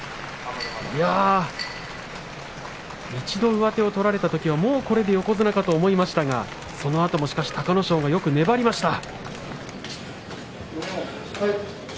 一度上手を取られたときはもう横綱かと思いましたがそのあと隆の勝よく粘りました。